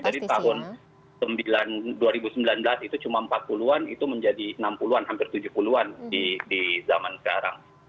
dari tahun dua ribu sembilan belas itu cuma empat puluh an itu menjadi enam puluh an hampir tujuh puluh an di zaman sekarang